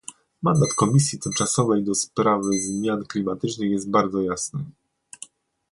Mandat Komisji tymczasowej do spraw zmian klimatycznych jest bardzo jasny